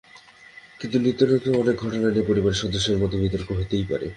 কিন্তু নিত্যনৈমিত্তিক অনেক ঘটনা নিয়ে পরিবারের সদস্যদের মধ্যে বিতর্ক হতেই পারে।